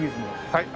はい。